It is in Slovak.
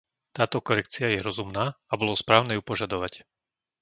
Táto korekcia je rozumná a bolo správne ju požadovať.